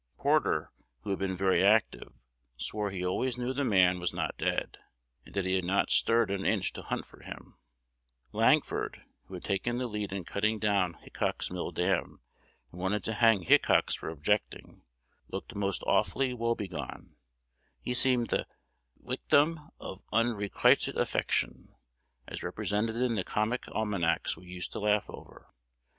Porter, who had been very active, swore he always knew the man was not dead, and that he had not stirred an inch to hunt for him: Langford, who had taken the lead in cutting down Hickox's mill dam, and wanted to hang Hickox for objecting, looked most awfully woebegone; he seemed the "wictim of hunrequited affection," as represented in the comic almanacs we used to laugh over.